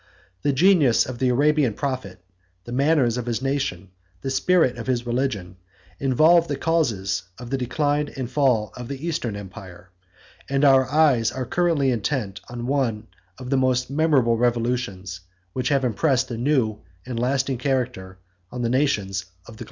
The genius of the Arabian prophet, the manners of his nation, and the spirit of his religion, involve the causes of the decline and fall of the Eastern empire; and our eyes are curiously intent on one of the most memorable revolutions, which have impressed a new and lasting character on the nations of the globe.